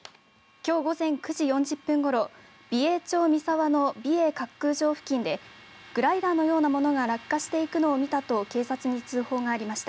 きょう午前９時４０分ごろ美瑛町美沢の美瑛滑空場付近でグライダーのような物が落下していくのを見たと警察に通報がありました。